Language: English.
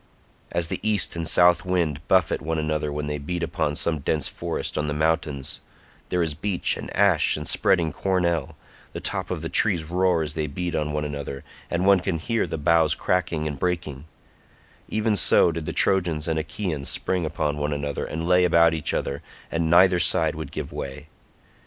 As the east and south wind buffet one another when they beat upon some dense forest on the mountains—there is beech and ash and spreading cornel; the top of the trees roar as they beat on one another, and one can hear the boughs cracking and breaking—even so did the Trojans and Achaeans spring upon one another and lay about each other, and neither side would give way.